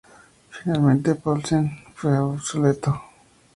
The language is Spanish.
Finalmente, Paulsen fue absuelto.